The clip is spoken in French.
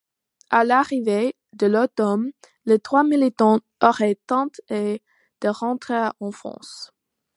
À l'arrivée de l'automne, les trois militants auraient tenté de rentrer en France.